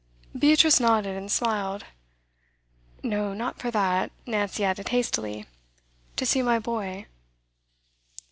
Beatrice nodded and smiled. 'No, not for that,' Nancy added hastily. 'To see my boy.